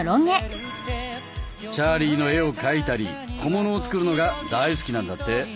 チャーリーの絵を描いたり小物を作るのが大好きなんだって。